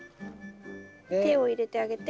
手を入れてげあて。